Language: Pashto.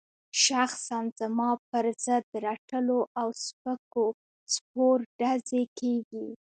شخصاً زما پر ضد رټلو او سپکو سپور ډزې کېږي.